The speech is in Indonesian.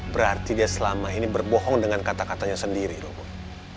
berarti dia selama ini berbohong dengan kata katanya sendiri roboh